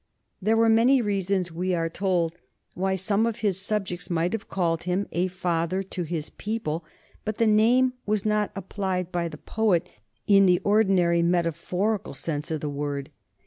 There are many reasons, we are told, why some of his subjects might have called him a father to his people, but the name was not applied by the poet in the ordinary metaphorical sense of the word.